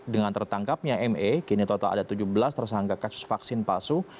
dengan tertangkapnya me kini total ada tujuh belas tersangka kasus vaksin palsu